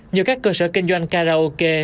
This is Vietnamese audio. như các cơ sở kinh doanh karaoke